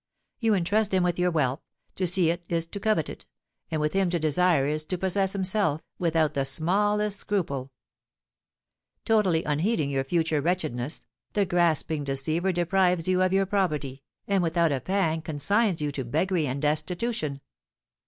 You entrust him with your wealth, to see it is to covet it, and with him to desire is to possess himself, without the smallest scruple. Totally unheeding your future wretchedness, the grasping deceiver deprives you of your property, and without a pang consigns you to beggary and destitution.